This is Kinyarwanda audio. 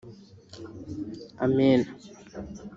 amena